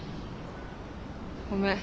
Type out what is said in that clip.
ごめん。